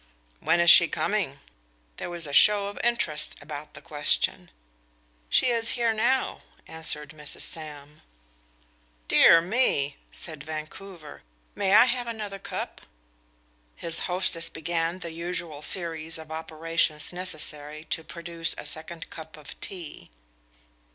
"When is she coming?" There was a show of interest about the question. "She is here now," answered Mrs. Sam. "Dear me!" said Vancouver. "May I have another cup?" His hostess began the usual series of operations necessary to produce a second cup of tea.